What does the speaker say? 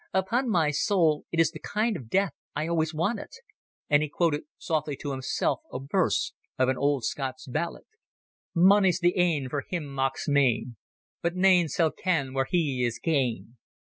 Upon my soul it is the kind of death I always wanted." And he quoted softly to himself a verse of an old Scots ballad: "Mony's the ane for him maks mane, But nane sall ken whar he is gane.